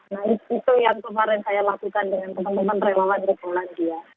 nah itu yang kemarin saya lakukan dengan pembantuan pembantuan terkait dengan bulan dia